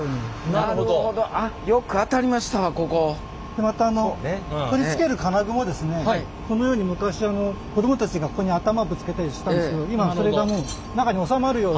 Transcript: またあのこのように昔子どもたちがここに頭ぶつけたりしたんですけど今はそれがもう中に収まるように。